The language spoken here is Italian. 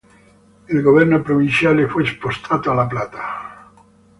Il governo provinciale fu spostato a La Plata.